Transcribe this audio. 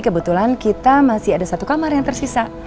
kebetulan kita masih ada satu kamar yang tersisa